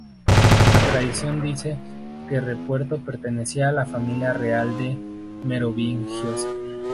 La tradición dice que Ruperto pertenecía a la familia real de los merovingios.